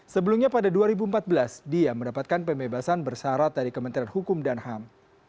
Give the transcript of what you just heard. sebelumnya pada dua ribu empat belas dia mendapatkan pembebasan bersarat dari kementerian hukum dan ham